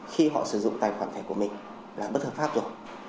khi họ sử dụng tài khoản thẻ của mình là bất hợp pháp rồi